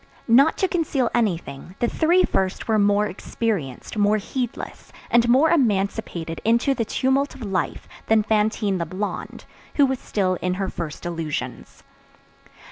Not to conceal anything, the three first were more experienced, more heedless, and more emancipated into the tumult of life than Fantine the Blonde, who was still in her first illusions.